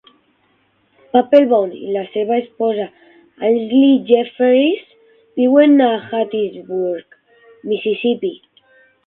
Papelbon i la seva esposa, Ashley Jefferies, viuen a Hattiesburg, Mississippi.